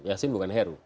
jiahsin bukan heru